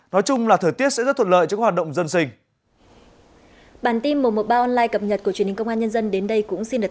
nói chung là thời tiết sẽ rất thuận lợi cho các hoạt động dân sinh